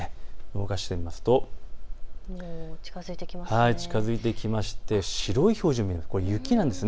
動かしてみますと近づいてきまして、白い表示も、これ雪なんです。